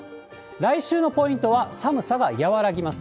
来週のポイントは寒さが和らぎます。